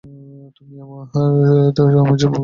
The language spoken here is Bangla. তুমি আমায় চুমু খেয়ে উদ্ধার করো।